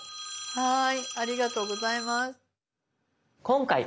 はい。